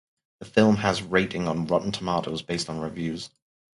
The film has rating on "Rotten Tomatoes" based on reviews.